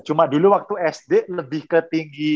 cuma dulu waktu sd lebih ke tinggi